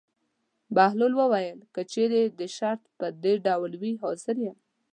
بهلول وویل: که چېرې د شرط په ډول وي حاضر یم.